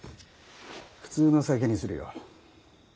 普通の酒にするよ。